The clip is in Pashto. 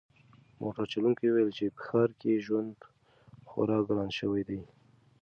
موټر چلونکي وویل چې په ښار کې ژوند خورا ګران شوی دی.